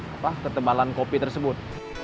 sama ketebalan kopi tersebut